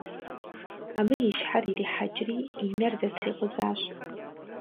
Абы и щхьэр ирихьэкӀри и нэр зэтрикъузащ.